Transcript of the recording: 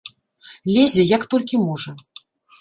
Лезе, як толькі можа.